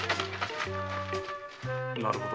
なるほど。